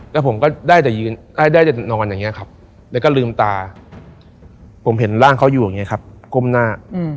แล้วผมก็ได้แต่ยืนได้แต่นอนอย่างนี้ครับแล้วก็ลืมตาผมเห็นร่างเขาอยู่อย่างนี้ครับก้มหน้า